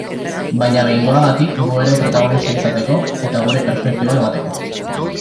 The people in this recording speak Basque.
Baina behingoagatik gu ere protagonista izateko, eta gure perspektiba emateko.